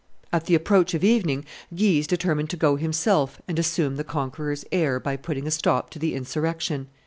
At the approach of evening, Guise determined to go himself and assume the conqueror's air by putting a stop to the insurrection.